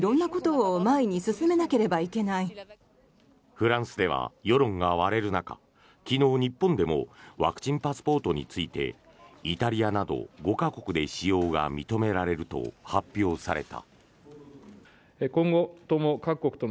フランスでは世論が割れる中昨日、日本でもワクチンパスポートについてイタリアなど５か国で使用が認められると発表された。